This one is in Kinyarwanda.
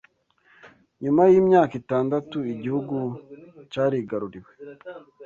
Nyuma y’imyaka itandatu igihugu cyarigaruriwe